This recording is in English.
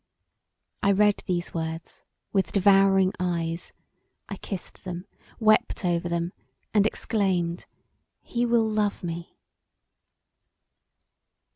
I read these words with devouring eyes; I kissed them, wept over them and exclaimed, "He will love me!"